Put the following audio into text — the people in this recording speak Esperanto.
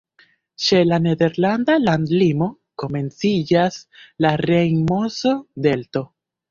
Ĉe la nederlanda landlimo komenciĝas la Rejn-Mozo-Delto.